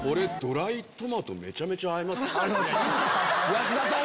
安田さん！